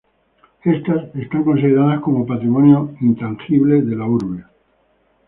Estas, son consideradas como patrimonio intangible de la urbe.